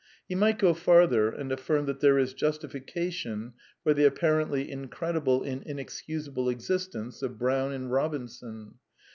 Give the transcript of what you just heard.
He might go farther and affirm that there is justifica tion for the apparently incredible and inexcusable exist ence of Brown and Bobinson.